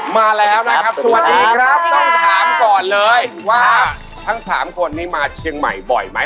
มาแล้วนะครับสวัสดีครับต้องถามก่อนเลยว่าทั้งสามคนนี้มาเชียงใหม่บ่อยไหม